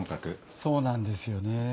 そうなんですよねぇ。